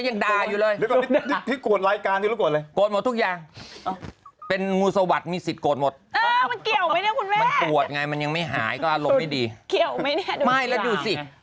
เอาจริงว่าผมไม่ได้ดู